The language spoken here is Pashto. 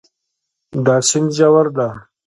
دا سیند ژور ده